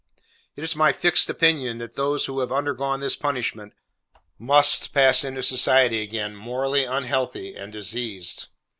It is my fixed opinion that those who have undergone this punishment, MUST pass into society again morally unhealthy and diseased.